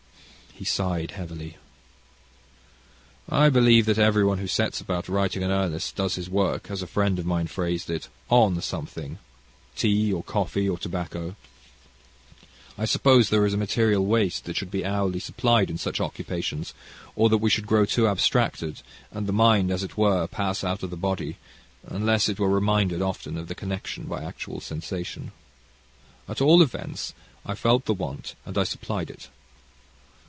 He sighed heavily. "I believe, that every one who sets about writing in earnest does his work, as a friend of mine phrased it, on something tea, or coffee, or tobacco. I suppose there is a material waste that must be hourly supplied in such occupations, or that we should grow too abstracted, and the mind, as it were, pass out of the body, unless it were reminded often enough of the connection by actual sensation. At all events, I felt the want, and I supplied it.